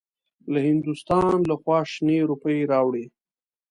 له هندوستان لخوا شنې روپۍ راوړې.